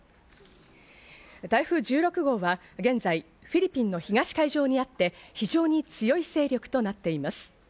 台風１６号は現在フィリピンの東海上にあって非常に強い勢力となっています。